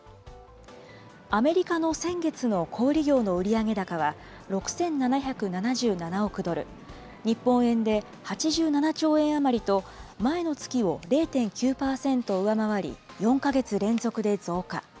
アメリカの先月の小売り業の売り上げ高は６７７７億ドル、日本円で８７兆円余りと、前の月を０．９％上回り、４か月連続で増加。